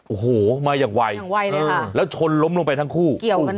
โอ้โหมาอย่างวัยแล้วชนล้มลงไปทั้งคู่